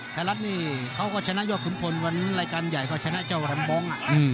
ไทรัศน์นี่เขาก็ชนะยอดขึ้นผลวันรายการใหญ่เขาชนะเจ้าหลำบอง